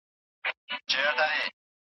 ایا د مېوې د ونو لاندي خوب کول د سکون سبب دی؟